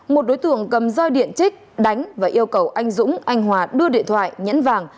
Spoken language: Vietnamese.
một đối tượng cầm roi điện trích đánh và yêu cầu anh dũng anh hòa đưa điện thoại nhẫn vàng